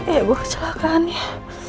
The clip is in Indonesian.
ya gue kecelakaannya